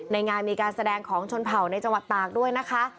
ในงานมีการแสดงของชนเผ่าในจังหวัดตากด้วยนะคะ